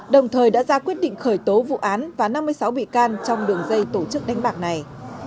đồng thời đã ra quyết định khởi tố vụ án và năm mươi sáu bị can trong đường dây